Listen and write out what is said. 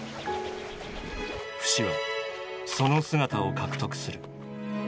フシはその姿を獲得する。